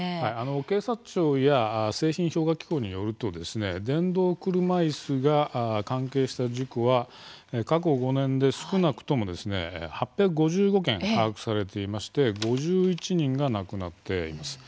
警察庁や製品評価機構によると電動車いすが関係した事故は過去５年で少なくとも８５５件、把握されていまして５１人が亡くなっています。